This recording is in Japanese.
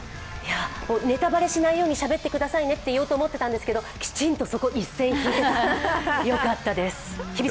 ネタバレしないようにしゃべってくださいねと言うつもりだったんですけど、きちんとそこ一線引いてくださって、よかったです。